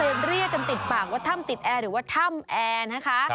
เรียกกันติดปากว่าถ้ำติดแอร์หรือว่าถ้ำแอร์นะคะ